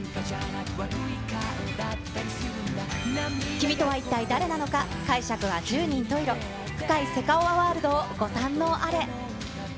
君とは一体誰なのか、解釈は十人十色、深いセカオワワールドをご